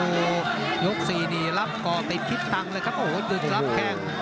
โอโหยก๔นี่รับกอปริปฟิศตั้งเลยครับโอโหนึกรับแข้ง